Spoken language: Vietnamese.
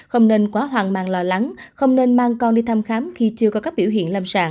không nên quá hoang mang lo lắng không nên mang con đi thăm khám khi chưa có các biểu hiện lâm sàng